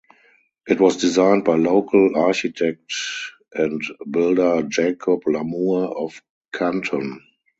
It was designed by local architect and builder Jacob Lamour of Canton.